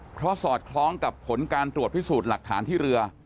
เพราะสอดคล้องกับผลการตรวจพิสูจน์หลักฐานที่เรือ